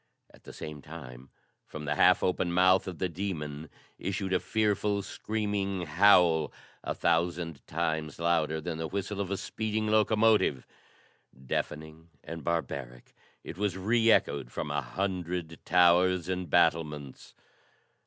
At the same time, from the half open mouth of the demon issued a fearful, screaming howl, a thousand times louder than the whistle of a speeding locomotive. Deafening and barbaric, it was reechoed from a hundred towers and battlements.